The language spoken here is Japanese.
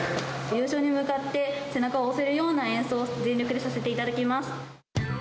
優勝に向かって、背中を押せるような演奏を全力でさせていただきます。